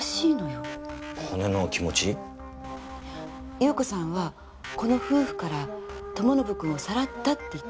優子さんはこの夫婦から友宣君をさらったって言ってた。